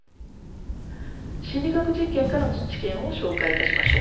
心理学実験からの知見を紹介いたしましょう。